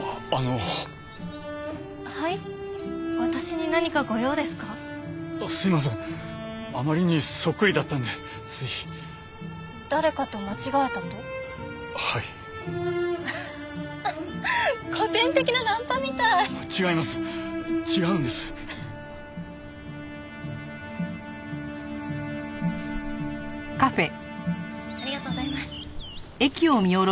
ありがとうございます。